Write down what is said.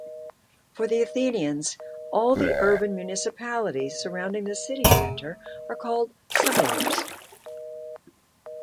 For the Athenians, all the urban municipalities surrounding the city centre are called suburbs.